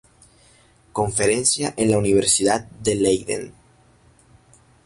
Conferencia en la Universidad de Leiden